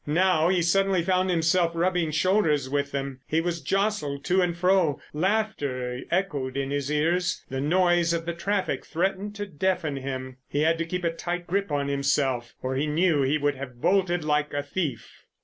Now he suddenly found himself rubbing shoulders with them. He was jostled to and fro; laughter echoed in his ears. The noise of the traffic threatened to deafen him. He had to keep a tight grip on himself, or he knew he would have bolted—like a thief.